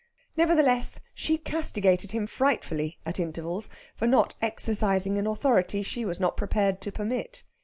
Nevertheless, she castigated him frightfully at intervals for not exercising an authority she was not prepared to permit.